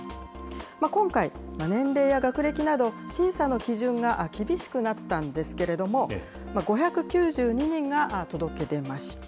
今回、年齢や学歴など審査の基準が厳しくなったんですけれども、５９２人が届け出ました。